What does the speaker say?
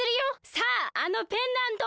さああのペンダントを！